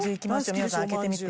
美穂さん開けてみて。